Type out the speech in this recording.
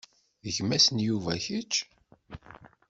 D gma-s n Yuba kečč?